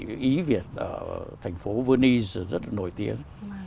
hữu nghị ý việt ở thành phố venice rất là nổi tiếng